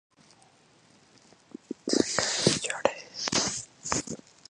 George was recognized as a consensus first-team All-American.